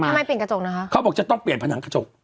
ทำไมเปลี่ยนกระจกเหรอคะเขาบอกจะต้องเปลี่ยนผนังกระจก